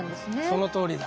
そのとおりだ。